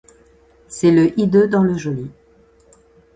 C’est le hideux dans le joli !